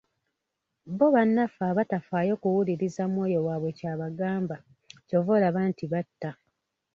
Bo bannaffe abatafaayo kuwuliriza mwoyo waabwe ky'abagamba, kyova olaba nti batta.